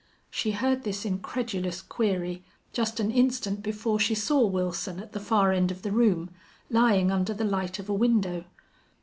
She heard this incredulous query just an instant before she saw Wilson at the far end of the room, lying under the light of a window.